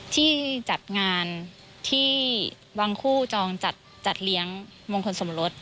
ที่จัดงานที่วังคู่จองจัดเลี้ยงมงคลสมรส